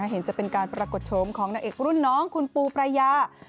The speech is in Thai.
เห็นจะเป็นการปรากฏโฉมของนางเอกรุ่นน้องคุณปูปรายา